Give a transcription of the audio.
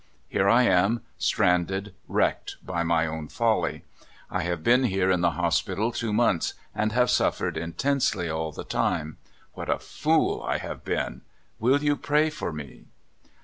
Here I am., stranded, wrecked, by my own folly. I have been here in the hospital two months, and have suffered intensely all the time. What a fool I have been I Will you pray for me